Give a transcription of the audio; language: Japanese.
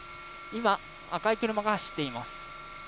今、赤い車が走っています。